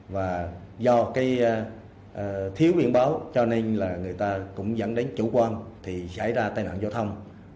và do thiếu biển báo cho nên là người ta cũng dẫn đến chủ quan thì xảy ra tai nạn giao thông